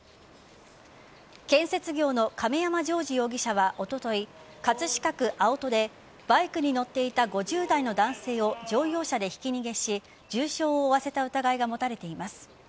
建設業の亀山譲治容疑者はおととい葛飾区青戸でバイクに乗っていた５０代の男性を乗用車でひき逃げし重傷を負わせた疑いが持たれています。